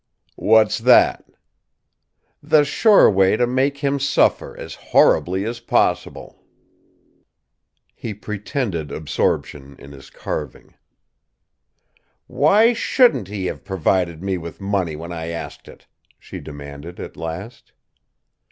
"What's that?" "The sure way to make him suffer as horribly as possible." He pretended absorption in his carving. "Why shouldn't he have provided me with money when I asked it?" she demanded, at last.